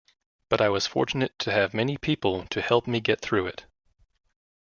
But I was fortunate to have many people to help me get through it.